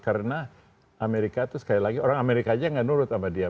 karena amerika itu sekali lagi orang amerika aja nggak nurut sama dia